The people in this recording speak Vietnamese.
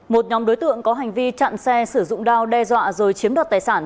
một nhóm đối tượng có hành vi chặn xe sử dụng đao đe dọa rồi chiếm đoạt tài sản